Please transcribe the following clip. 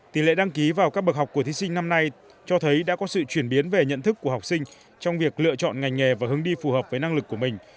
tỷ lệ đăng ký vào các bậc học của thí sinh năm nay cho thấy đã có sự chuyển biến về nhận thức của học sinh trong việc lựa chọn ngành nghề và hướng đi phù hợp với năng lực của mình